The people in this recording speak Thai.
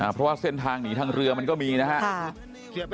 เพราะว่าเส้นทางหนีทางเรือมันก็มีนะครับ